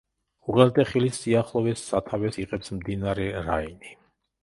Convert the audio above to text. უღელტეხილის სიახლოვეს სათავეს იღებს მდინარე რაინი.